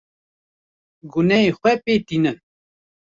Gunehê xwe pê tînin.